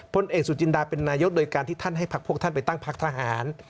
พลเอกสุจินดาเป็นนายกโดยการที่ท่านให้พักพวกท่านไปตั้งพักทหาร